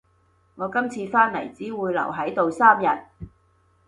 我今次返嚟只會留喺度三日